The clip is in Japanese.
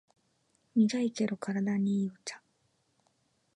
苦いけど体にいいお茶